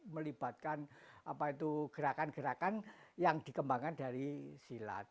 melibatkan gerakan gerakan yang dikembangkan dari silat